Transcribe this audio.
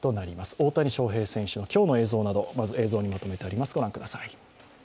大谷翔平選手の今日の映像など、まず映像にまとめてあります。